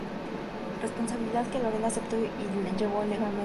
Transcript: Responsabilidad que Lorena aceptó y llevo elegantemente durante cinco años.